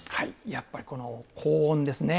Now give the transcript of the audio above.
やっぱりこの高温ですね。